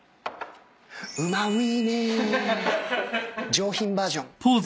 上品バージョン。